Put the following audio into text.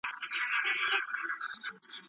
که پایله وي نو زحمت نه هدر کیږي.